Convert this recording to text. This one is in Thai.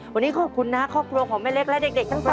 วันนี้ขอบคุณนะครอบครัวของแม่เล็กและเด็กทั้งสอง